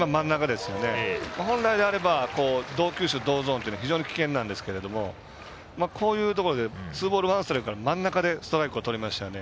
本来であれば同球種同ゾーンというのは非常に危険なんですけどこういうところでツーボールワンストライクから真ん中でストライクとりましたよね。